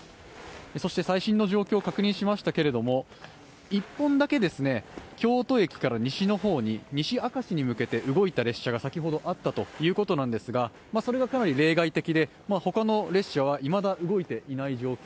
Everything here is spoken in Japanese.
最新の状況を確認しましたけれど、１本だけ京都駅から西の方、西明石に向けて動いた列車が先ほどあったということですが、それがかなり例外的で他の列車はいまだ動いていない状況。